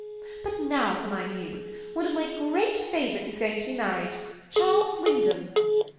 "But now for my news. One of my great favorites is going to be mar ried — Charles Wyndham."